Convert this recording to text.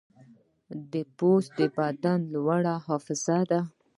پوست د بدن لوی محافظ دی.